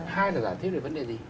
hai là giả thuyết về vấn đề gì